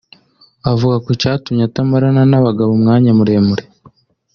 Avuga ku catumye atamarana n’abagabo umwanya muremure